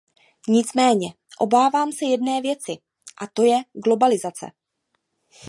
Nicméně obávám se jedné věci, a to je globalizace.